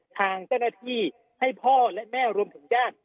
ทางเจ้าหน้าที่ให้พ่อและแม่รวมถึงญาติ